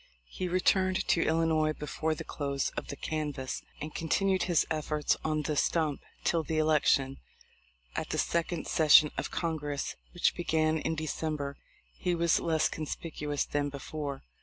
He returned to Illinois before the close of the canvass and con THE LIFE OF LINCOLN. 291 tinued his efforts on the stump till the election. At the second session of Congress, which began in December, he was less conspicuous than before.